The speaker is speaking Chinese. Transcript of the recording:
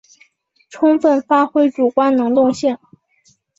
充分发挥主观能动性